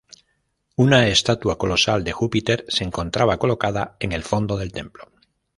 Una estatua colosal de Júpiter se encontraba colocada en el fondo del templo.